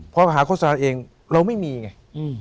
พอหาโฆษณาเองเราไม่มีไง